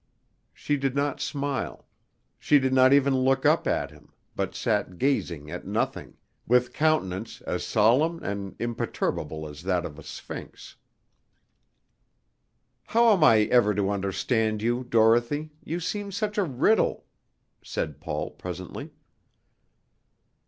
She did not smile; she did not even look up at him, but sat gazing at nothing, with countenance as solemn and imperturbable as that of a Sphinx. "How am I ever to understand you, Dorothy, you seem such a riddle?" said Paul presently.